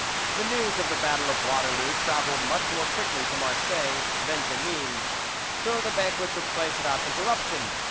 The news of the battle of Waterloo travelled much more quickly to Marseilles than to Nimes, so the banquet took place without interruption.